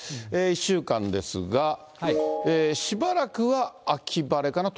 １週間ですが、しばらくは秋晴れかな。